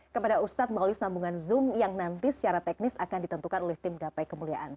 kepada ustadz melalui sambungan zoom yang nanti secara teknis akan ditentukan oleh tim gapai kemuliaan